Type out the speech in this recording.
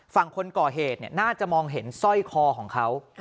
ฝั่งคนก่อเหตุน่าจะมองเห็นสร้อยคอของเขา